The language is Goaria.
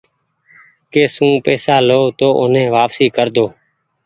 ڪي سون پئيسا لئو تو اوني واپسي ڪرۮو۔